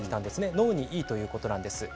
脳にいいということなんです。